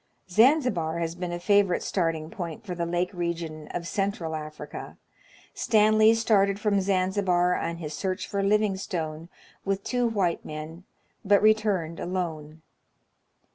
Zanzibar has been a favorite starting point for the lake region of Central Africa. Stanley started from Zanzibar on his search for Living stone with two white men, but returned alone.